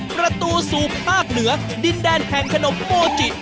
ประตูสู่ภาคเหนือดินแดนแห่งขนมโปจิ